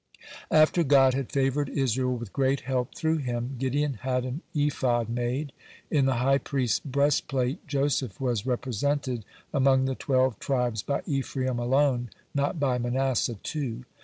(100) After God had favored Israel with great help through him, Gideon had an ephod made. In the high priest's breastplate, Joseph was represented among the twelve tribes by Ephraim alone, not by Manasseh, too.